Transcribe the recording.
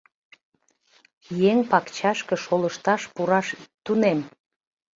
— Еҥ пакчашке шолышташ пураш ит тунем!